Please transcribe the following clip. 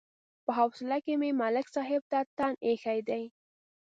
په حوصله کې مې ملک صاحب ته تن ایښی دی.